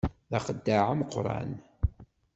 D axeddaɛ ameqqran.